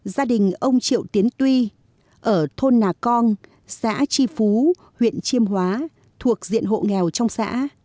gia đình ông triệu tiến tuy ở thôn nà cong xã tri phú huyện chiêm hóa thuộc diện hộ nghèo trong xã